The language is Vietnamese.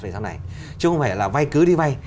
chứ không phải là vay cứ đi vay